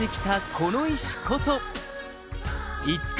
この石こそ」